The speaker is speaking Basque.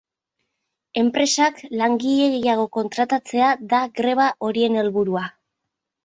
Enpresak langile gehiago kontratatzea da greba horien helburua.